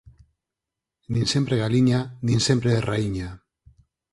Nin sempre galiña, nin sempre raíña.